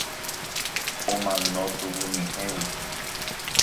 Omano tuguyñehẽgui.